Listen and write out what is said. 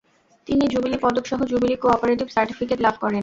তিনি জুবিলী পদকসহ jubilee cooperative certificate লাভ করেন।